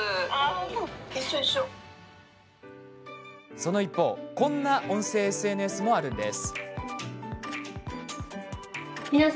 その一方こんな音声ＳＮＳもあるんです。